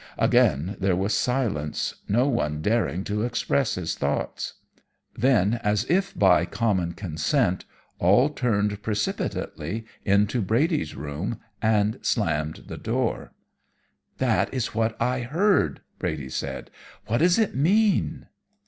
Again there was silence, no one daring to express his thoughts. Then, as if by common consent, all turned precipitately into Brady's room and slammed the door. "'That is what I heard,' Brady said. 'What does it mean?'